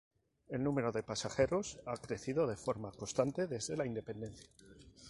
El número de pasajeros ha crecido de forma constante desde la independencia.